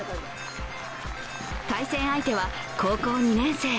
対戦相手は、高校２年生。